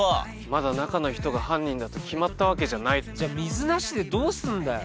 まだ中の人が犯人だと決まったわけじゃないじゃあ水なしでどうすんだよ